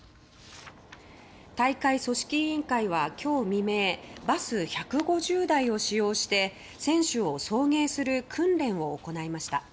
大会組織委員会は今日未明バス１５０台を使用して選手を送迎する訓練を行いました。